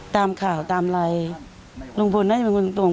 ตามข่าวตามไลน์ลุงพลน่าจะเป็นคนตรง